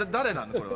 これは。